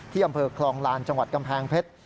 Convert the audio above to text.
อำเภอคลองลานจังหวัดกำแพงเพชร